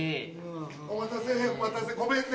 お待たせお待たせごめんね。